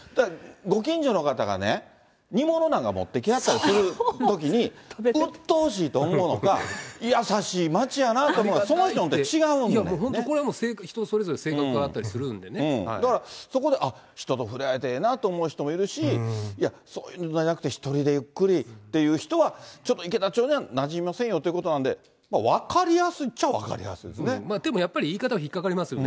ご近所の方がね、煮物なんか持ってきはったりするときに、うっとうしいと思うのか、優しい町やなと思うのか、本当、これは人それぞれ性格だからそこで人とふれあえてええなと思う人もいるし、いや、そういうのじゃなくて、ゆっくりっていう人は、ちょっと池田町にはなじみませんよっていうことなんで、分かりやすいっちゃ分かりでもやっぱり言い方は引っ掛かりますよね。